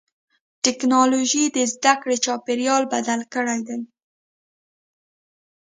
ټکنالوجي د زدهکړې چاپېریال بدل کړی دی.